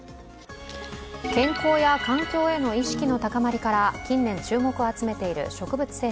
健康や環境への意識の高まりから近年、注目を集めている植物性